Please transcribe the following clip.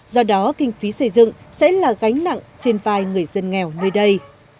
do đó kinh phí xây dựng sẽ là gánh nặng trên vai người dân nghèo nơi đây